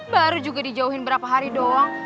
baru juga dijauhin berapa hari doang